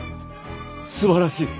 素晴らしい！